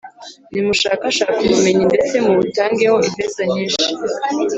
Nimushakashake ubumenyi, ndetse mubutangeho feza nyinshi;